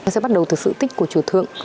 sẽ bắt đầu từ sự tích của chùa thượng